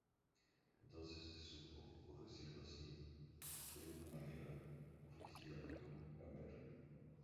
Entonces se supo, por decirlo así, de una manera oficial que Mr.